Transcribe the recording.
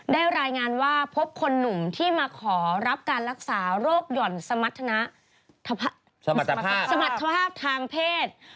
รายงานว่าพบคนหนุ่มที่มาขอรับการรักษาโรคหย่อนสมรรถภาพทางเพศ